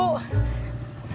makasih ya bang